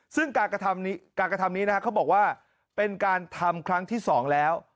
ซึ่งการกระทำนี้เขาบอกว่าเป็นการทำครั้งที่๒แล้ว